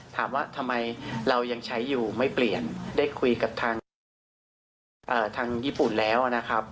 ถามว่าทำไมเรายังใช้อยู่ไม่เปลี่ยนได้คุยกับทางญี่ปุ่นแล้วนะครับ